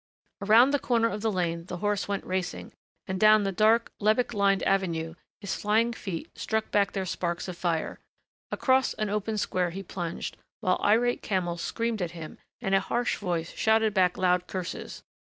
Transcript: Around the corner of the lane the horse went racing, and down the dark, lebbek lined avenue his flying feet struck back their sparks of fire. Across an open square he plunged, while irate camels screamed at him and a harsh voice shouted back loud curses.